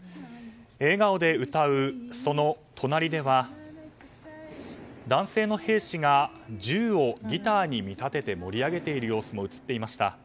笑顔で歌う、その隣では男性の兵士が銃をギターに見立てて盛り上げている様子も映っていました。